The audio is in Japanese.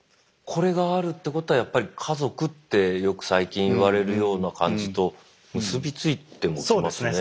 これがあるってことはやっぱり家族ってよく最近言われるような感じと結び付いてもきますね。